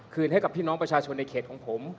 ให้กับพี่น้องประชาชนในเขตของผม